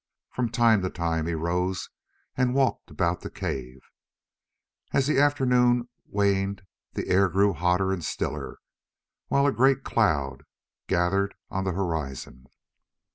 From time to time he rose and walked about the cave. As the afternoon waned the air grew hotter and stiller, while a great cloud gathered on the horizon.